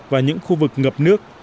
và những khu vực ngập nước